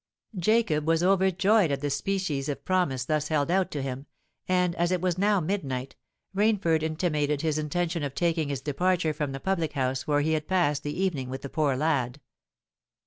Jacob was overjoyed at the species of promise thus held out to him; and, as it was now midnight, Rainford intimated his intention of taking his departure from the public house where he had passed the evening with the poor lad.